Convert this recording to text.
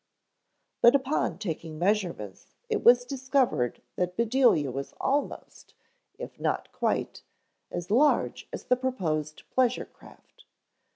But upon taking measurements it was discovered that Bedelia was almost, if not quite, as large as the proposed pleasure craft.